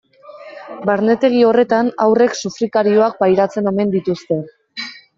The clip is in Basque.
Barnetegi horretan haurrek sufrikarioak pairatzen omen dituzte.